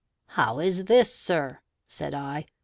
"How is this, sir?" (said I).